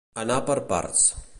Anar per parts.